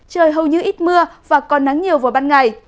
trời hầu như ít mưa và còn nắng nhiều vào ban ngày